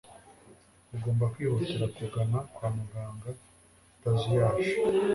ugomba kwihutira kugana kwa muganga utazuyaje.